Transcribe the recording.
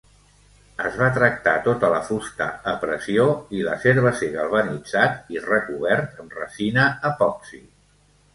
Es va tractar tota la fusta a pressió i l'acer va ser galvanitzat i recobert amb resina epoxi.